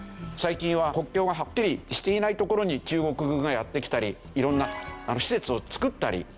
最近は国境がはっきりしていない所に中国軍がやって来たり色んな施設を造ったり。